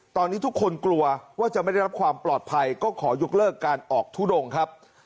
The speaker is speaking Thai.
ตอนนี้ทุกคนกลัวว่าจะไม่ได้รับความปลอดภัยก็ขอยกเลิกการออกทุดงครับ